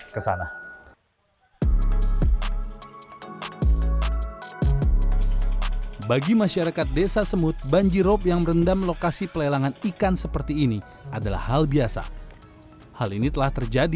kenapa masih mutusin bertahan sebelumnya itu